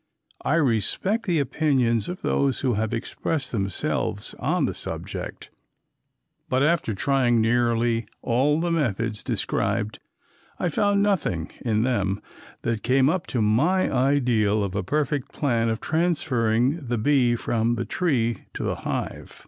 I respect the opinions of those who have expressed themselves on the subject, but after trying nearly all the methods described I found nothing in them that came up to my ideal of a perfect plan of transferring the bee from the tree to the hive.